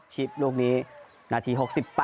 ลูกนี้นาที๖๘